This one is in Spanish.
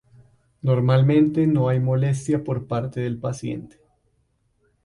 Normalmente no hay molestia por parte del paciente.